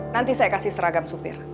nanti saya kasih seragam supir